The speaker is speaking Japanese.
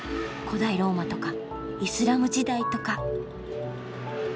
古代ローマとかイスラム時代とか。